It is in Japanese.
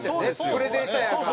プレゼンしたんやから。